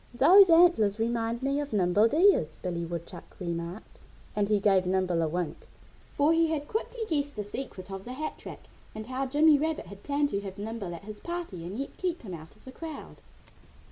"Those antlers remind me of Nimble Deer's," Billy Woodchuck remarked. And he gave Nimble a wink, for he had quickly guessed the secret of the hat rack and how Jimmy Rabbit had planned to have Nimble at his party and yet keep him out of the crowd.